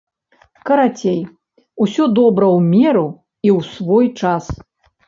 Карацей, усё добра ў меру і ў свой час.